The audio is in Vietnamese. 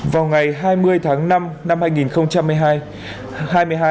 vào ngày hai mươi tháng năm năm hai nghìn một mươi hai